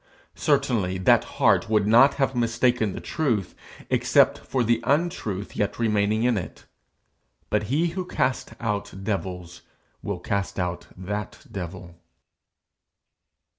Certainly that heart would not have mistaken the truth except for the untruth yet remaining in it; but he who casts out devils will cast out that devil.